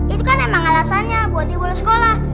itu kan emang alasannya buat ibu sekolah